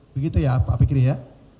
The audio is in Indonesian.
begitu ya pak fikri ya